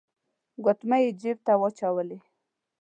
ګوتمۍ يې جيب ته واچولې.